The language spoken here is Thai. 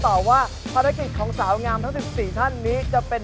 ต่อว่าภารกิจของสาวงามทั้ง๑๔ท่านนี้จะเป็น